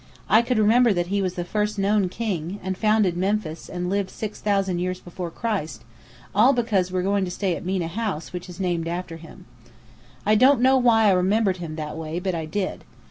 I could remember that he was the first known king, and founded Memphis and lived six thousand years before Christ, all because we're going to stay at Mena House, which is named after him. I don't know why I remembered him that way, but I did.